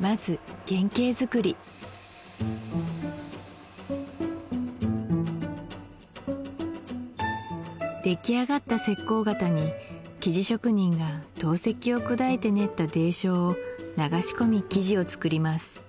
まず出来上がった石こう型に生地職人が陶石を砕いて練った泥漿を流し込み生地を作ります